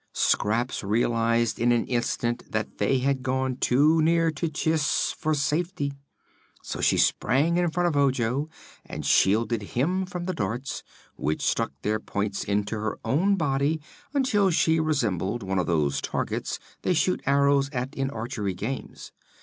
Scraps realized in an instant that they had gone too near to Chiss for safety, so she sprang in front of Ojo and shielded him from the darts, which stuck their points into her own body until she resembled one of those targets they shoot arrows at in archery games.